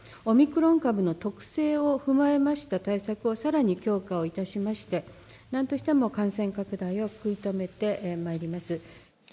オミクロン株の特性を踏まえました対策をさらに強化をいたしまして、なんとしても感染拡大を食い止めてまいります。